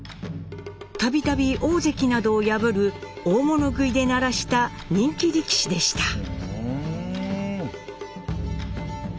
度々大関などを破る大物食いで鳴らした人気力士でした。